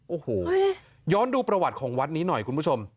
โอ้โหย้อนดูประวัติของวัดนี้หน่อยคุณผู้ชม